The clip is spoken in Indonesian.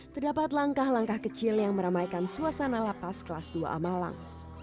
terdapat langkah langkah kecil yang meramaikan suasana lapas kelas dua a malang